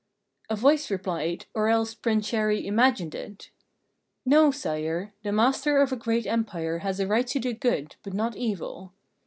A voice replied, or else Prince Chéri imagined it: "No, sire; the master of a great empire has a right to do good, but not evil.